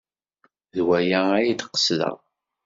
D waya ay d-qesdeɣ.